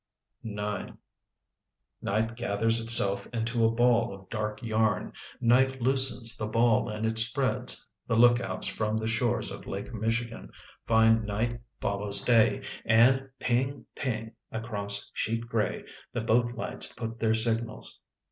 9 Night gathers itself into a ball of dark yarn. Night loosens the ball and it spreads. The lookouts from the shores of Lake Michigan find night follows day, and ping! ping! across sheet gray the boat lights put their signals.